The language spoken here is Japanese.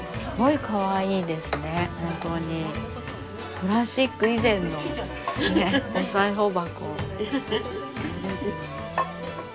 プラスチック以前のお裁縫箱。